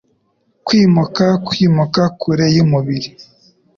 kwimuka kwimuka kure yumubiri